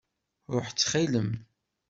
Ṛuḥ ttxil-m!